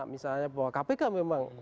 misalnya bahwa kpk memang